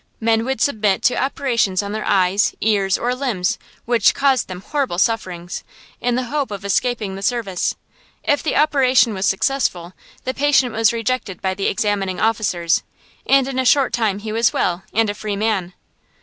Men would submit to operations on their eyes, ears, or limbs, which caused them horrible sufferings, in the hope of escaping the service. If the operation was successful, the patient was rejected by the examining officers, and in a short time he was well, and a free man.